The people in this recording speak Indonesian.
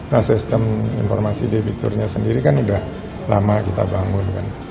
nah sistem informasi debiturnya sendiri kan sudah lama kita bangun kan